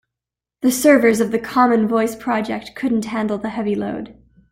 The servers of the common voice project couldn't handle the heavy load.